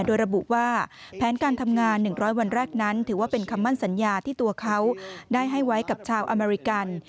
โดยระบุว่าแผนการทำงาน๑๐๐วันแรกนั้นถือว่าเป็นคำมั่นสัญญาที่ตัวเขาได้ให้ไว้กับชาวอเมริกัน